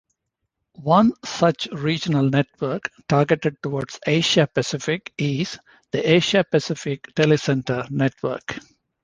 One such regional network targeted towards Asia-Pacific is, the Asia-Pacific Telecentre Network.